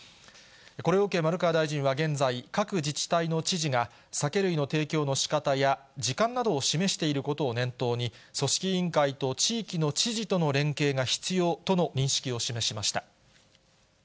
これを受け、丸川大臣は現在、各自治体の知事が、酒類の提供のしかたや、時間などを示していることを念頭に、組織委員会と地域の知事との連携が必要との認識を示しました。